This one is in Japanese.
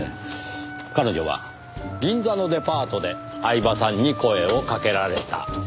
彼女は銀座のデパートで饗庭さんに声をかけられた。